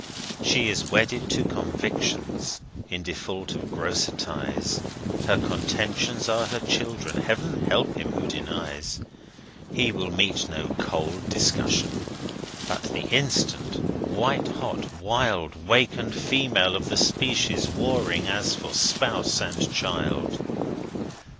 She is wedded to convictions in default of grosser ties; Her contentions are her children, Heaven help him, who denies! He will meet no cool discussion, but the instant, white hot wild Wakened female of the species warring as for spouse and child.